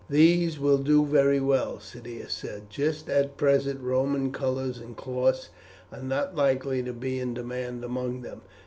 "These will do very well," Cneius said, "just at present Roman colours and cloths are not likely to be in demand among them."